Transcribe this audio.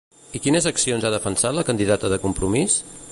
I quines accions ha defensat la candidata de Compromís?